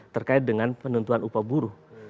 terkait dengan penentuan upah buruh